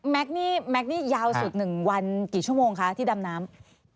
แม็กซ์นี่ยาวสุด๑วันกี่ชั่วโมงคะที่ดำน้ำ